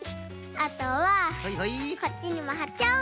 あとはこっちにもはっちゃおう。